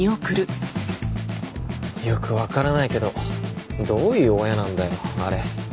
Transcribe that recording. よくわからないけどどういう親なんだよあれ。